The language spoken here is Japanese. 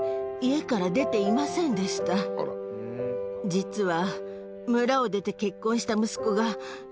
実は。